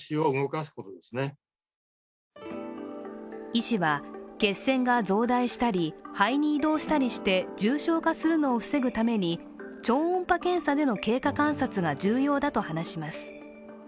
医師は、血栓が増大したり肺に移動したりして重症化するのを防ぐために超音波検査での経過観察が重要だと話します。